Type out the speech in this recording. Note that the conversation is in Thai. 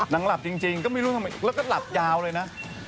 หลับจริงก็ไม่รู้ทำไมแล้วก็หลับยาวเลยนะ